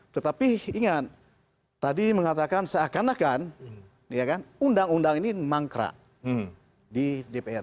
tetapi ingat tadi mengatakan seakan akan undang undang ini mangkrak di dpr